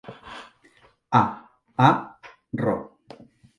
A. A. Ro.